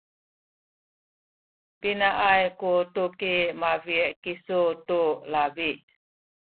pinaay ku tuki mabi’ kisu tu labi?